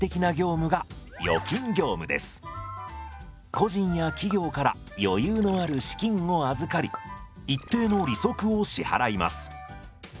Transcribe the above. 個人や企業から余裕のある資金を預かり一定の利息を支払います。